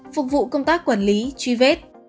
phục vụ công tác quản lý truy vết